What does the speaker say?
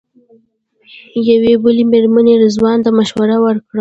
یوې بلې مېرمنې رضوان ته مشوره ورکړه.